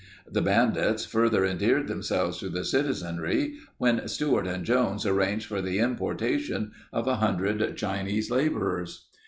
The bandits further endeared themselves to the citizenry when Stewart and Jones arranged for the importation of a hundred Chinese laborers.